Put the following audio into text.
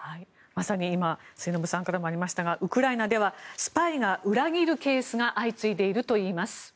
まさに今末延さんからもありましたがウクライナではスパイが裏切るケースが相次いでいるといいます。